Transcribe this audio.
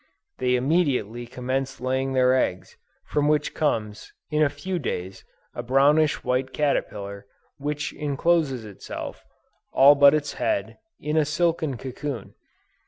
They immediately commence laying their eggs, from which comes, in a few days, a brownish white caterpillar, which encloses itself, all but its head, in a silken cocoon.